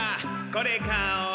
これ買おう。